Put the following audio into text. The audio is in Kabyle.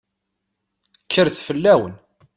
Kkret fell-awen!